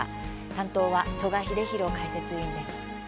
担当は曽我英弘解説委員です。